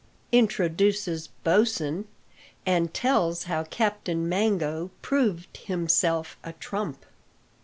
INTRODUCES BOSIN, AND TELLS HOW CAPTAIN MANGO PROVED HIMSELF A TRUMP.